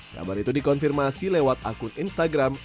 kabar itu dikonfirmasi lewat akun instagram